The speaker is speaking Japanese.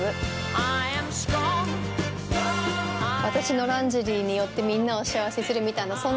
「私のランジェリーによってみんなを幸せにする」みたいな